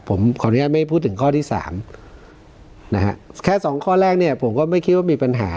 ผมขออนุญาตไม่พูดถึงข้อที่สามนะฮะแค่สองข้อแรกเนี่ยผมก็ไม่คิดว่ามีปัญหา